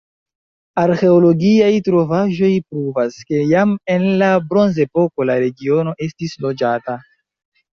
Arĥeologiaj trovaĵoj pruvas, ke jam en la bronzepoko la regiono estis loĝata.